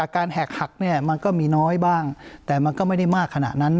แหกหักเนี่ยมันก็มีน้อยบ้างแต่มันก็ไม่ได้มากขนาดนั้น